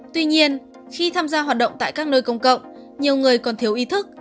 tuy nhiên khi tham gia hoạt động tại các nơi công cộng nhiều người còn thiếu ý thức